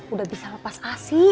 udah bisa lepas asi